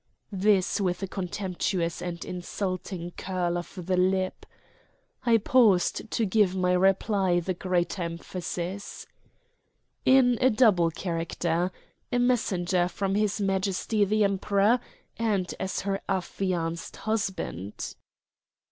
This with a contemptuous and insulting curl of the lip. I paused to give my reply the greater emphasis. "In a double character a messenger from his Majesty the Emperor, and as her affianced husband."